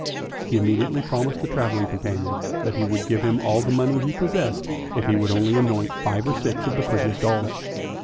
He immediately promised the travel ling companion that he would give him all the money he pos sessed if he would only anoint five or six of the prettiest dolls.